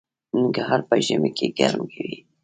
ننګرهار په ژمي کې ګرم وي